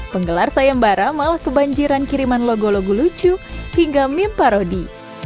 penggelar sayembara malah kebanjiran kiriman logo logo lucu hingga meme parodi